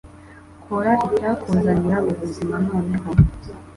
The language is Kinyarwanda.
Kora icyakuzanira ubuzima, noneho.